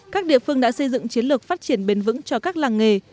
các địa phương đã xây dựng chiến lược phát triển bền vững cho các làng nghề